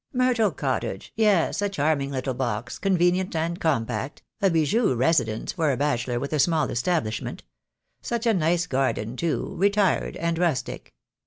"Myrtle Cottage. Yes, a charming little box, con venient and compact, a bijou residence for a bachelor with a small establishment. Such a nice garden, too, retired and rustic.